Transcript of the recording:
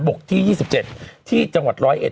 บกที่๒๗ที่จังหวัดร้อยเอ็ด